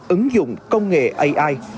ứng dụng công nghệ ai